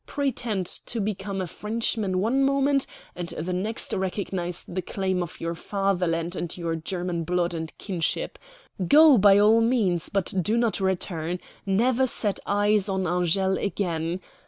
Pretend to become a Frenchman one moment and the next recognize the claim of your Fatherland and your German blood and kinship. Go, by all means, but do not return. Never set eyes on Angele again!'